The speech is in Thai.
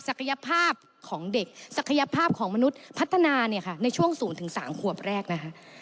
ยภาพของเด็กศักยภาพของมนุษย์พัฒนาเนี่ยค่ะในช่วง๐๓ขวบแรกนะคะ